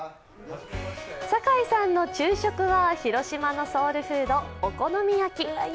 酒井さんの昼食は広島のソウルフード、お好み焼き。